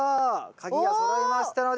鍵がそろいましたので。